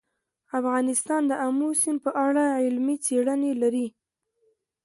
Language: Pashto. افغانستان د آمو سیند په اړه علمي څېړنې لري.